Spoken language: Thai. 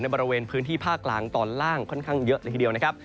บริเวณพื้นที่ภาคกลางตอนล่างค่อนข้างเยอะเลยทีเดียวนะครับ